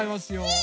え！